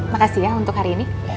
makasih ya untuk hari ini